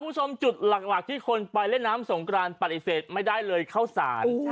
คุณผู้ชมจุดหลักที่คนไปเล่นน้ำสงกรานปฏิเสธไม่ได้เลยเข้าสาร